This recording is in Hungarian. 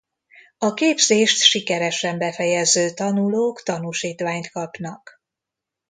A képzést sikeresen befejező tanulók tanúsítványt kapnak.